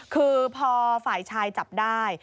คือพอฝ่ายชายจับได้